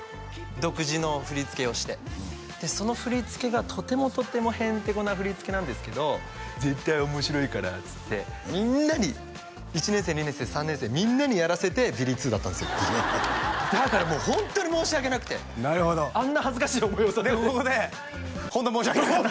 独自の振り付けをしてでその振り付けがとてもとてもヘンテコな振り付けなんですけど絶対面白いからっつってみんなに１年生２年生３年生みんなにやらせてビリ２だったんですよだからもうホントに申し訳なくてあんな恥ずかしい思いをさせてでここで「ホント申し訳なかった」